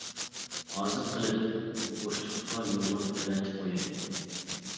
ھازىر قىلىپ، بوشلۇققا يوللاپ ئەۋەتىپ قوياي.